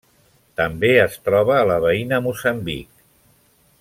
També es troba a la veïna Moçambic.